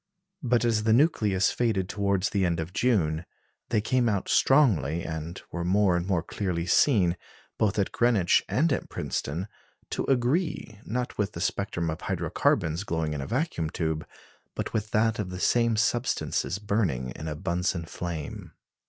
But as the nucleus faded towards the end of June, they came out strongly, and were more and more clearly seen, both at Greenwich and at Princeton, to agree, not with the spectrum of hydro carbons glowing in a vacuum tube, but with that of the same substances burning in a Bunsen flame.